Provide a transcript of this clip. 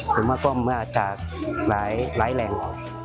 ส่วนมากก็มันอาจจะหลายแหล่ง